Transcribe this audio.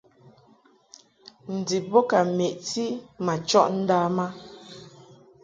Ndib bo ka meʼti ma chɔʼ ndam a.